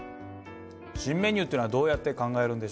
新メニューっていうのはどうやって考えるんでしょうか？